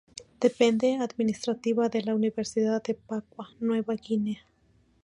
Depende administrativamente de la Universidad de Papúa Nueva Guinea.